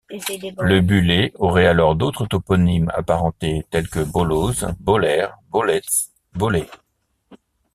Le Bullet aurait alors d'autres toponymes apparentés tels que Bauloz, Bolaire, Bolets, Baulet.